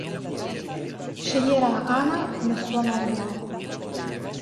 Sceglierà Hana come sua Maria.